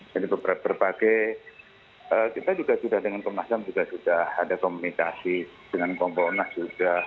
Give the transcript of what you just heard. jadi berbagai kita juga sudah dengan kemasan juga sudah ada komunikasi dengan komponas juga